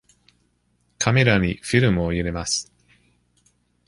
カメラにフィルムを入れます。